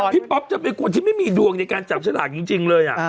ป๊อปจะเป็นคนที่ไม่มีดวงในการจับฉลากจริงเลย